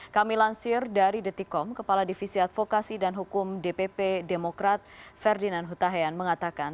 kami lansir dari detikom kepala divisi advokasi dan hukum dpp demokrat ferdinand hutahian mengatakan